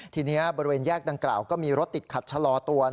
ทีนี้บริเวณแยกดังกล่าวก็มีรถติดขัดชะลอตัว